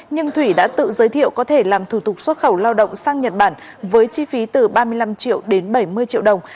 nhưng thủy đã tự giới thiệu có thể làm thủ tục xuất khẩu lao động sang nhật bản với chi phí từ ba mươi năm triệu đến bảy mươi triệu đồng